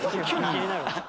気になる。